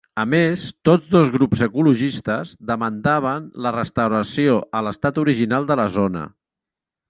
A més, tots dos grups ecologistes, demandaven la restauració a l'estat original de la zona.